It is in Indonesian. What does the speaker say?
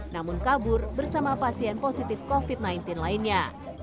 namun kabur bersama pasien positif covid sembilan belas lainnya